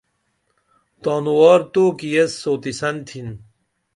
تانوار توکی ایس سوتیسن تِھن